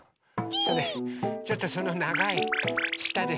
それちょっとそのながいしたで。